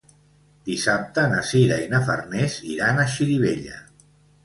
Dissabte na Sira i na Farners iran a Xirivella.